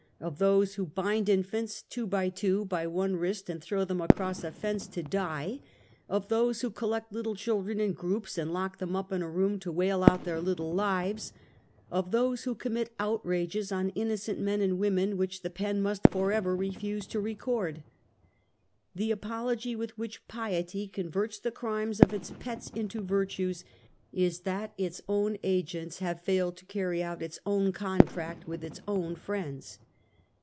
225 of those who bind infants, two by two, by one wrist, and throw them across a fence to die; of those who col lect little children in groups and lock them up in a room, to wail out their little lives; of those who com mit outrages on innocent men and women which the pen must forever refuse to record. The apology with which piety converts the crimes of its pets into virtues, is that its own agents have failed to carry out its own contract with its own friends.